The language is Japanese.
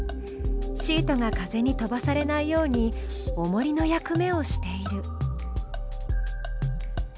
シートが風に飛ばされないようにおもりの役目をしている。